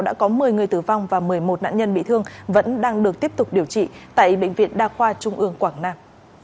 đã có một mươi người tử vong và một mươi một nạn nhân bị thương vẫn đang được tiếp tục điều trị tại bệnh viện đa khoa trung ương quảng nam